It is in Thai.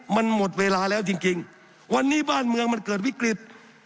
มันหมดเวลาแล้วจริงวันนี้บ้านเมืองมันเกิดวิกฤต